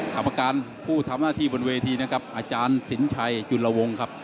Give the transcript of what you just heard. กรรมการผู้ทำหน้าที่บนเวทีนะครับอาจารย์สินชัยจุลวงครับ